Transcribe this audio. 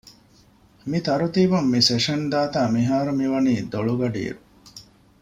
މި ތަރުތީބުން މި ސެޝަން ދާތާ މިހާރު މިވަނީ ދޮޅު ގަޑިއިރު